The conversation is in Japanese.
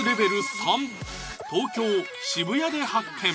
３東京・渋谷で発見！